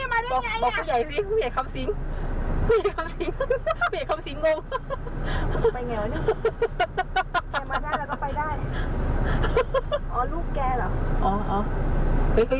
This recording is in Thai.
อะไรอ่ะเฮ้ยอะไรวะ